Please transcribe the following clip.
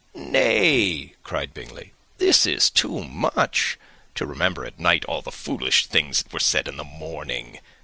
"Nay," cried Bingley, "this is too much, to remember at night all the foolish things that were said in the morning.